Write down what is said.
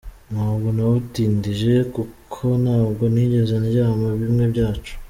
Ntabwo nawutindije kuko ntabwo nigeze ndyama bimwe byacu.